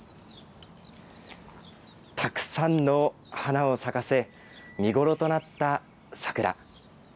たくさんの花を咲かせ、見頃となった桜。